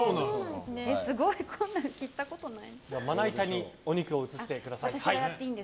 すごいこんなの切ったことない。